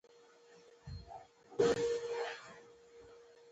دوی انار او انګور صادروي.